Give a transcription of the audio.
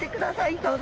どうぞ。